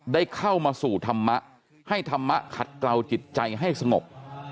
ได้เข้ามาสู่ธรรมะให้ธรรมะขัดเกลาจิตใจให้สงบ